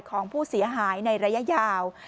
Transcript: ของผู้เสียหายในระยะยาว